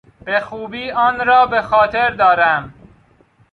به خوبی آن را به خاطر دارم.